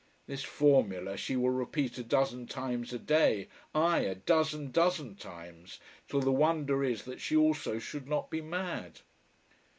This formula she will repeat a dozen times a day ay, a dozen dozen times, till the wonder is that she also should not be mad.